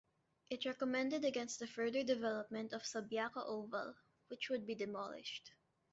It recommended against the further development of Subiaco Oval, which would be demolished.